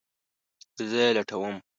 زه یی لټوم